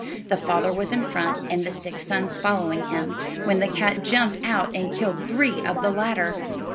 The father was in front and the six sons following him, when the cat jumped out and killed three of the latter.